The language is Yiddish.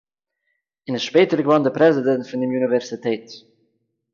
און איז שפּעטער געוואָרן די פּרעזידענט פון דעם אוניווערזיטעט